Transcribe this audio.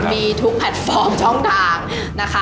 มีทุกแพลตฟอร์มช่องทางนะคะ